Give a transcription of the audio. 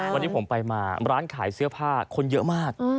วันนี้ผมไปมาร้านขายเสื้อผ้าคนเยอะมาก